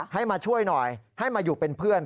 ให้มาช่วยหน่อยให้มาอยู่เป็นเพื่อน